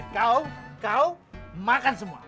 kau kau makan semua